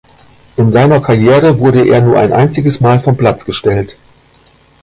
In seiner Karriere wurde er nur ein einziges Mal vom Platz gestellt.